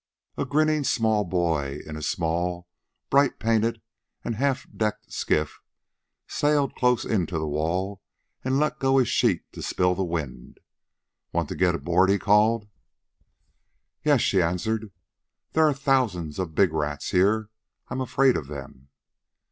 A grinning small boy, in a small, bright painted and half decked skiff, sailed close in to the wall and let go his sheet to spill the wind. "Want to get aboard?" he called. "Yes," she answered. "There are thousands of big rats here. I'm afraid of them."